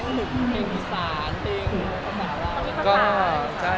ต้องเล่นหุ้นเพลงอีสานเพลงภาษาราว